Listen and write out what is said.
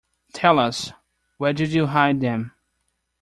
Tell us — where did you hide them?